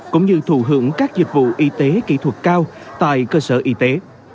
cũng như thù hưởng các dịch vụ y tế kỹ thuật cao tại cơ sở y tế